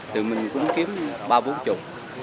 thì mình cũng kiếm ba bốn chục